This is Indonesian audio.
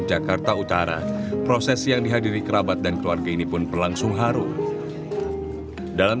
jakarta utara proses yang dihadiri kerabat dan keluarga ini pun berlangsung haru dalam